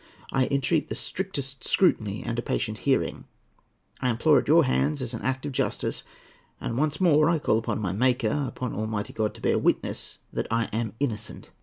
I entreat the strictest scrutiny and a patient hearing. I implore it at your hands, as an act of justice, and once more I call upon my Maker, upon Almighty God, to bear witness that I am innocent.